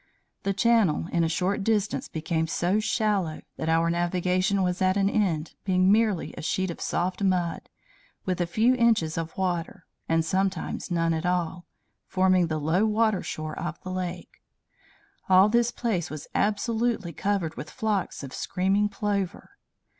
The channel in a short distance became so shallow that our navigation was at an end, being merely a sheet of soft mud, with a few inches of water, and sometimes none at all, forming the low water shore of the lake. All this place was absolutely covered with flocks of screaming plover.